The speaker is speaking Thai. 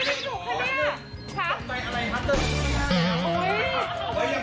สวัสดีครับคุณผู้ชมครับ